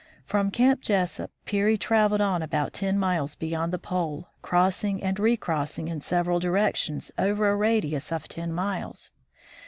From Camp Jesup, Peary traveled on about ten miles beyond the Pole, crossing and recrossing in several direc tions over a radius of ten miles.